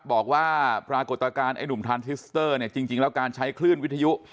บอกว่าปรากฏการณ์ไอ้หนุ่มทานทิสเตอร์เนี่ยจริงแล้วการใช้คลื่นวิทยุ